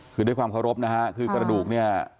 คือด้วยความเคารพนะฮะคือกระดูกเนี่ย